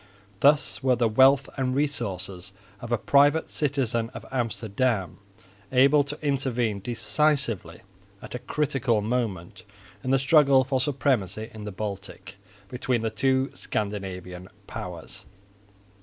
Thus were the wealth and resources of a private citizen of Amsterdam able to intervene decisively at a critical moment in the struggle for supremacy in the Baltic between the two Scandinavian powers.